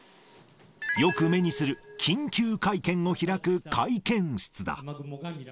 よく目にする、緊急会見を開く会見室だ。